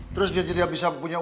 terus dia tidak bisa punya